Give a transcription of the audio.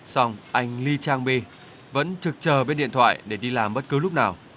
xong anh lee chang be vẫn trực chờ bên điện thoại để đi làm bất cứ lúc nào